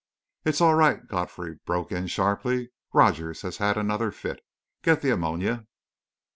"It's all right," Godfrey broke in, sharply, "Rogers has had another fit. Get the ammonia!"